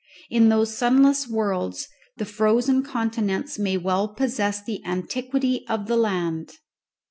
In those sunless worlds the frozen continents may well possess the antiquity of the land.